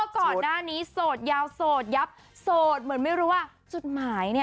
ก่อนหน้านี้โสดยาวโสดยับโสดเหมือนไม่รู้ว่าจุดหมายเนี่ย